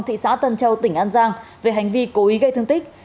thị xã tân châu tỉnh an giang về hành vi cố ý gây thương tích